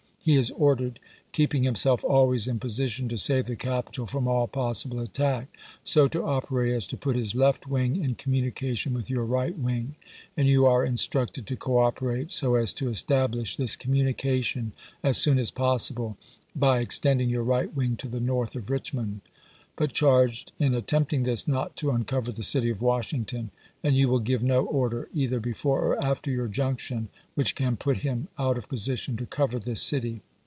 He is ordered — keeping himself always in position to save the capital from all possible attack — so to operate as to put his left wing in communication with your right wing, and you are instructed to co operate so as to establish this communication as soon as possible, by extending your right wing to the north of Richmond, ... but charged, in attempting this, not to uncover the city of Washington ; and you will give no order, either before or after your junction, which can put him out of position to cover this city.